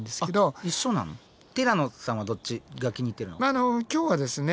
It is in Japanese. まああの今日はですね